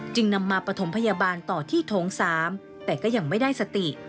นำมาปฐมพยาบาลต่อที่โถง๓แต่ก็ยังไม่ได้สติ